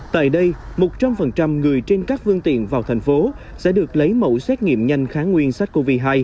tại đây một trăm linh người trên các phương tiện vào thành phố sẽ được lấy mẫu xét nghiệm nhanh kháng nguyên sát covid hai